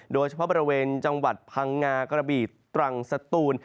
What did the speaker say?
โดยเฉพาะบริเวณจังหวัดพังงากระบีตรังสตูน